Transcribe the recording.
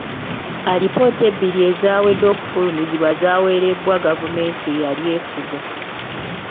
Alipoota ebbiri ezawedde okufulumizibwa zaaweerezebwa gavumenti eyali efuga.